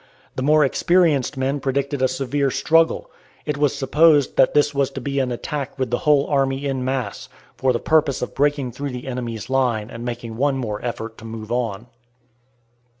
The more experienced men predicted a severe struggle. It was supposed that this was to be an attack with the whole army in mass, for the purpose of breaking through the enemy's line and making one more effort to move on.